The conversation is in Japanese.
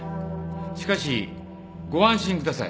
しかしご安心ください。